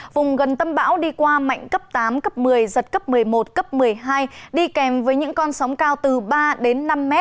vùng gần tâm bão đi qua mạnh cấp tám cấp một mươi giật cấp một mươi một cấp một mươi hai đi kèm với những con sóng cao từ ba đến năm m